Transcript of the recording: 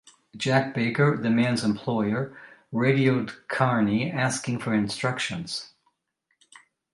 Jack Baker, the man's employer, radioed Kearney asking for instructions.